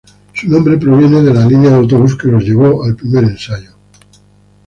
Su nombre proviene de la línea de autobús que los llevó al primer ensayo.